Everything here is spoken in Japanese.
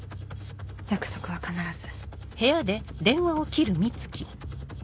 約束は必ず。